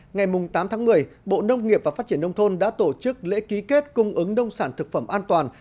ngày tám tháng một mươi bộ nông nghiệp và phát triển nông thôn đã tổ chức lễ ký kết cung ứng nông sản thực phẩm an toàn